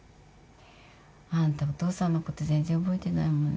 あんたお父さんのこと全然覚えてないもんね。